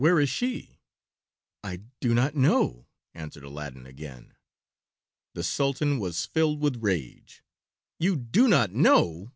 Where is she?" "I do not know," answered Aladdin again. The Sultan was filled with rage. "You do not know!"